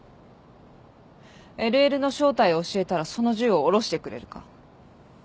ＬＬの正体を教えたらその銃を下ろしてくれるか？